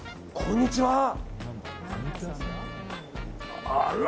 こんにちは。